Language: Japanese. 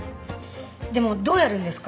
でもどうやるんですか？